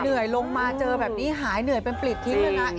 เหนื่อยลงมาเจอแบบนี้หายเหนื่อยเป็นปลิดทิ้งเลยนะ